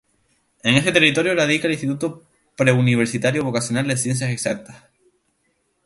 En este territorio radica el Instituto Preuniversitario Vocacional de Ciencias Exactas Vladimir Ilich Lenin.